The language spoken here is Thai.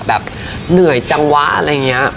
แบบเหนื่อยจังวะอะไรอย่างนี้